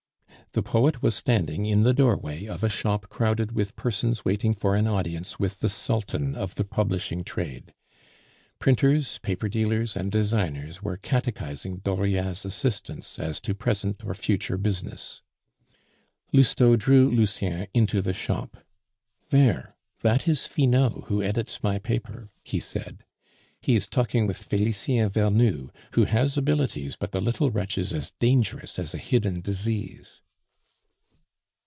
The poet was standing in the doorway of a shop crowded with persons waiting for an audience with the sultan of the publishing trade. Printers, paper dealers, and designers were catechizing Dauriat's assistants as to present or future business. Lousteau drew Lucien into the shop. "There! that is Finot who edits my paper," he said; "he is talking with Felicien Vernou, who has abilities, but the little wretch is as dangerous as a hidden disease."